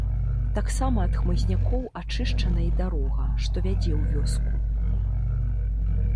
Таксама ад хмызнякоў ачышчана і дарога, што вядзе ў вёску.